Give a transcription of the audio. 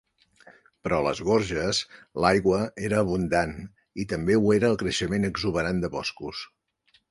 Però a les gorges l'aigua era abundant i també ho era el creixement exuberant de boscos.